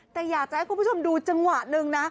แต่อยากจะให้คุณผู้ชมดูจังหวะหนึ่งนะ